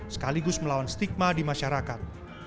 sekaligus melawan stigma di masyarakat